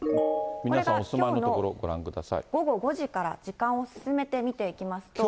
皆さん、午後５時から、時間を進めて見ていきますと。